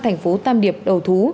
thành phố tam điệp đầu thú